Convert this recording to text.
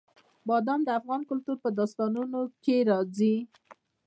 بادام د افغان کلتور په داستانونو کې راځي.